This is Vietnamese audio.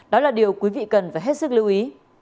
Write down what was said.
đó là điều quý vị cần phải hết sức lưu ý